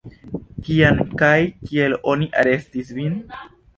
Kiam kaj kiel oni arestis vin?